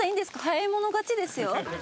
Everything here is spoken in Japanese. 早い者勝ちですよ。